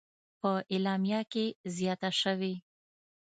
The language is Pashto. په اعلامیه کې زیاته شوې: